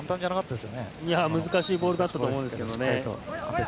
難しいボールだったと思うんですけどね。